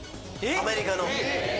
アメリカの。